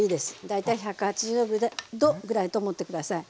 大体１８０℃ぐらいと思って下さい。